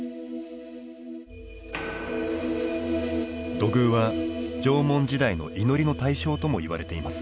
土偶は縄文時代の祈りの対象ともいわれています。